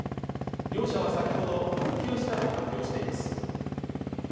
両社は先ほど復旧したと発表しています。